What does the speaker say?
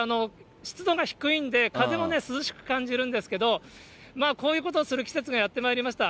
湿度が低いんで、風も涼しく感じるんですけど、こういうことをする季節がやってまいりました。